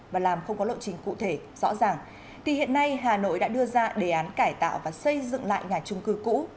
và làm không có lộ trình cụ thể rõ ràng thì hiện nay hà nội đã đưa ra đề án cải tạo và xây dựng lại nhà trung cư cũ